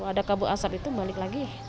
ada kabut asap itu balik lagi